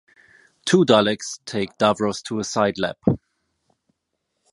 Two Daleks take Davros to a side lab.